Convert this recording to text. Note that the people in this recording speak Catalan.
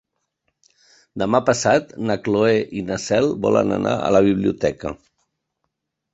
Demà passat na Cloè i na Cel volen anar a la biblioteca.